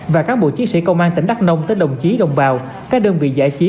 và cán bộ chiến sĩ công an tỉnh đắk nông tới đồng chí đồng bào các đơn vị giải trí